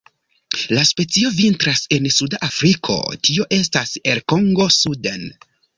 La specio vintras en suda Afriko, tio estas el Kongo suden.